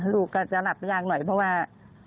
ลูกก็จะหลับยากหน่อยเพราะว่า